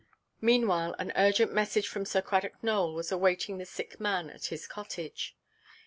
Meanwhile, an urgent message from Sir Cradock Nowell was awaiting the sick man at his cottage.